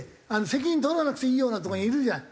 責任取らなくていいようなとこにいるじゃん。